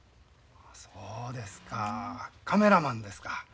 そうですかカメラマンですか。